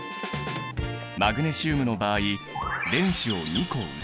マグネシウムの場合電子を２個失う。